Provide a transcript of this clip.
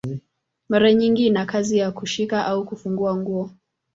Mara nyingi ina kazi ya kushika au kufunga nguo.